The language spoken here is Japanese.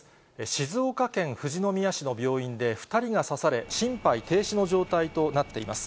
静岡県富士宮市の病院で２人が刺され、心肺停止の状態となっています。